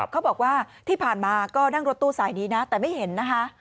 เขาบอกว่าที่ผ่านมาก็นั่งรถตู้สายนี้นะแต่ไม่เห็นนะคะ